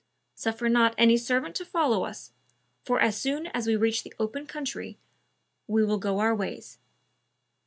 Suffer not any servant to follow us, for as soon as we reach the open country, we will go our ways."